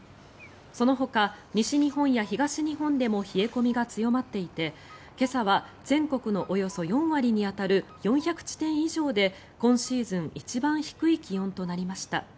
そのほか、西日本や東日本でも冷え込みが強まっていて今朝は全国のおよそ４割に当たる４００地点以上で今シーズン一番低い気温となりました。